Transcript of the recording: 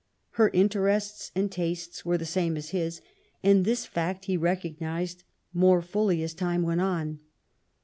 Her interests and tastes were the same as his ; and this fact he recognized more fully as time went on.